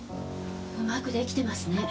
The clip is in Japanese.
うまく出来てますね。